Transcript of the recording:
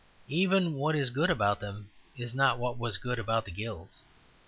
Even what is good about them is not what was good about the Guilds.